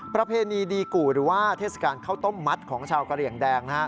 ประเพณีดีกู่หรือว่าเทศกาลข้าวต้มมัดของชาวกะเหลี่ยงแดง